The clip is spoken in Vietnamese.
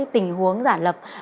tình huống giả lập